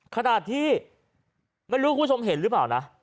ขนาดที่ไม่รู้คุณผู้ชมเห็นหรือเปล่านะ